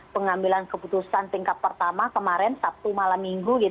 pengambilan keputusan tingkat pertama kemarin sabtu malam minggu